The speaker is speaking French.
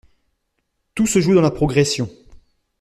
Tout se joue dans la progression.